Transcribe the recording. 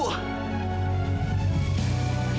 ya ampun ibu